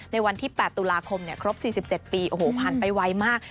ในวันที่๘ตุลาคมครบ๔๗ปีโอ้โหผ่านไปไวมาก